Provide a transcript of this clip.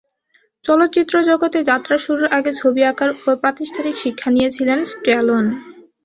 চলচ্চিত্র জগতে যাত্রা শুরুর আগে ছবি আঁকার ওপর প্রাতিষ্ঠানিক শিক্ষা নিয়েছিলেন স্ট্যালোন।